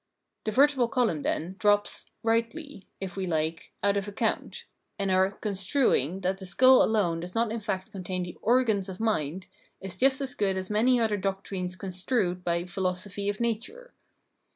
The vertebral column, then, drops — "rightly," if we hke — out of account; and our "construing" that the skull alone does not in fact contain the "organs" of mind is just as good as many other doctrines " construed " by "philosophy of nature."